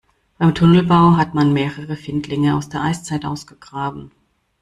Beim Tunnelbau hat man mehrere Findlinge aus der Eiszeit ausgegraben.